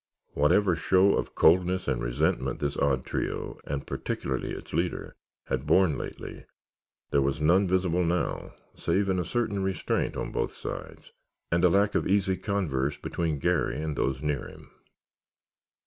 Whatever show of coldness and resentment this odd trio (and particularly its leader) had borne lately, there was none visible now, save in a certain restraint on both sides and a lack of easy converse between Garry and those near him.